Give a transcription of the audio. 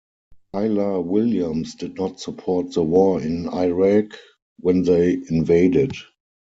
Kayla Williams did not support the war in Iraq when they invaded.